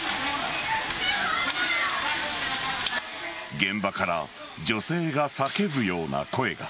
現場から女性が叫ぶような声が。